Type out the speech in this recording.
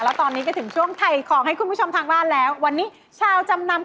แล้วตอนนี้ก็ถึงช่วงถ่ายของให้คุณผู้ชมทางบ้านแล้ววันนี้ชาวจำนำ